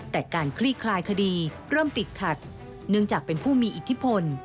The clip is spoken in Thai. แต่การคลี่คลายคดีเริ่มติดขัดเนื่องจากเป็นผู้มีอิทธิพล